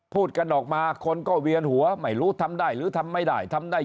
พูดกันออกมาคนก็เวียนหัวไม่รู้ทำได้หรือทำไม่ได้ทำได้